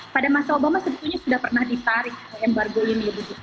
pada masa obama sebetulnya sudah pernah ditarik embargo ini